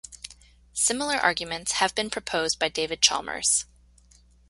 Similar arguments have been proposed by David Chalmers.